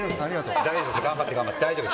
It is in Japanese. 頑張って、頑張って、大丈夫。